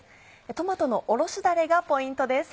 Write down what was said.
トマトのおろしだれがポイントです。